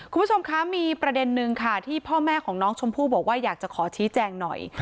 คุณผู้ชมคะมีประเด็นนึงค่ะที่พ่อแม่ของน้องชมพู่บอกว่าอยากจะขอชี้แจงหน่อย